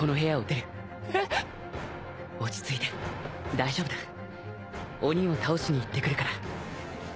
大丈夫だ鬼を倒しに行ってくるから。